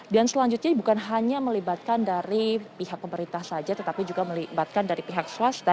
dan selanjutnya bukan hanya melibatkan dari pihak pemerintah saja tetapi juga melibatkan dari pihak swasta